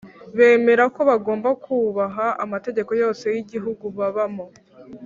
bemera ko bagomba kubaha amategeko yose y’igihugu babamo